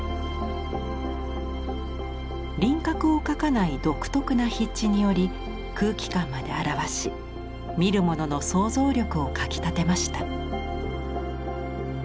輪郭を描かない独特な筆致により空気感まで表し見る者の想像力をかきたてました。